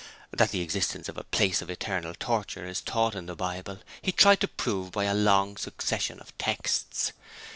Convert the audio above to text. That the existence of a place of eternal torture is taught in the Bible, he tried to prove by a long succession of texts.